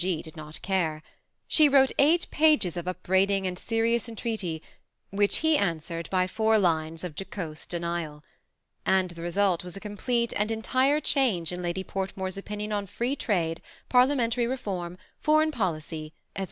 G. did not care. She wrote eight pages of upbraiding and serious en treaty, which he answered by four lines of jocose de nial ; and the result was, a complete and entire change in Lady Portmore's opinion on free trade, parliamentary reform, foreign policy, &c.